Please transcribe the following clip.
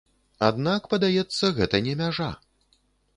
Аднак падаецца, гэта не мяжа.